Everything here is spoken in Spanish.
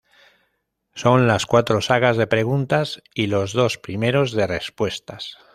Son las cuatro sagas de preguntas, y los dos primeros de respuestas.